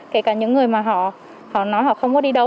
kể cả những người mà họ nói họ không có đi đâu